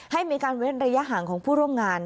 ให้มีการเว้นระยะห่างของผู้ร่วมงาน